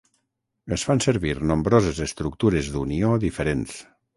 Es fan servir nombroses estructures d'unió diferents.